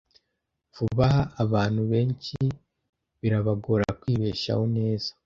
Vuba aha, abantu benshi birabagora kwibeshaho neza.